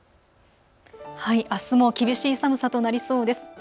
あすも厳しい寒さとなりそうです。